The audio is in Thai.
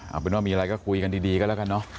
เอาเป็นว่ามีอะไรก็คุยกันดีก็แล้วกันเนอะ